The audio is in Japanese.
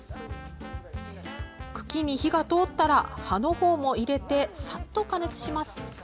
茎に火が通ったら葉のほうも入れてサッと加熱します。